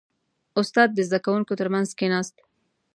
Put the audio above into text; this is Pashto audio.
• استاد د زده کوونکو ترمنځ کښېناست.